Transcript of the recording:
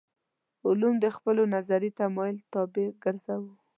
علوم د خپلو نظري تمایل طابع ګرځوو.